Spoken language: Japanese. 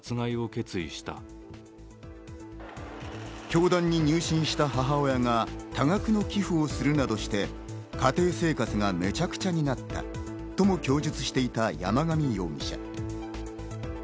教団に入信した母親が多額の寄付をするなどして家庭生活がめちゃくちゃになったとも供述していた山上容疑者。